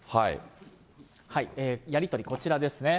やり取り、こちらですね。